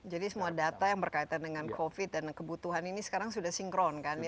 jadi semua data yang berkaitan dengan covid dan kebutuhan ini sekarang sudah sinkron kan